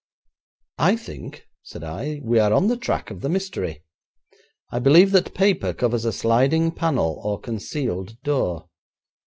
'I think,' said I, 'we are on the track of the mystery. I believe that paper covers a sliding panel or concealed door.'